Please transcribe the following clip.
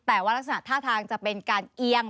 แต่ว่ารักษณะท่าทางจะเป็นการเอียง